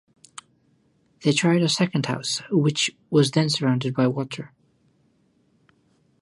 They tried a second house, which was then surrounded by water.